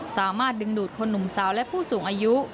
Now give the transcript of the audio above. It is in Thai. สามารถดึงดูดคนหนุ่มสาวและผู้สูงอายุ